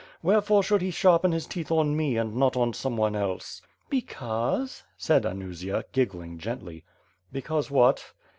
Wherefore should he sharpen his teeth on me and not on some one else?'* "Because .." said Anusia, giggling gently. "Because what?"